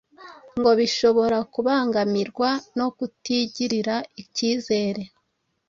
ngo bishobora kubangamirwa no kutigirira ikizere,